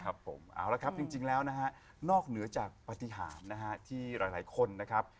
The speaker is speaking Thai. ครับผมเอาละครับจริงแล้วนะฮะนอกเหนือจากปฏิหารนะฮะที่หลายคนนะครับ